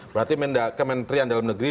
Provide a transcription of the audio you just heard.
berarti kementerian dalam negeri